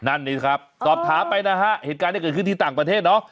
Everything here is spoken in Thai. นั่นนี่สิครับสอบถามไปนะฮะเหตุการณ์ที่เกิดขึ้นที่ต่างประเทศเนาะ